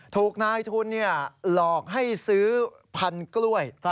ถูกนายทุนหลอกให้ซื้อพันกล้วย